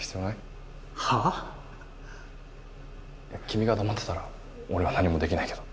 君が黙ってたら俺は何もできないけど。